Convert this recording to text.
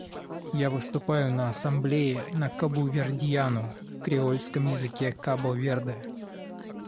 Я выступаю в Ассамблее на кабувердьяну — креольском языке Кабо-Верде.